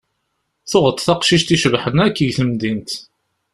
Tuɣeḍ taqcict icebḥen akk deg temdint.